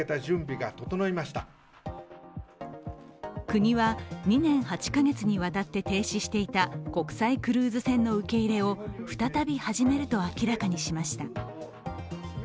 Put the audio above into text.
国は２年８か月にわたって停止していた国際クルーズ船の受け入れを再び始めると明らかにしました。